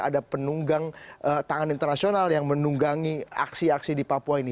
ada penunggang tangan internasional yang menunggangi aksi aksi di papua ini